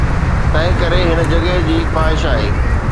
تنهنڪري هن جڳهه جي خواهش آهي